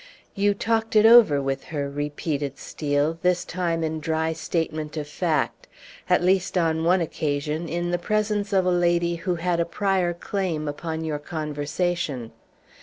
"You talked it over with her," repeated Steel, this time in dry statement of fact, "at least on one occasion, in the presence of a lady who had a prior claim upon your conversation.